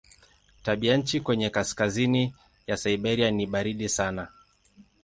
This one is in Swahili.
Tabianchi kwenye kaskazini ya Siberia ni baridi sana.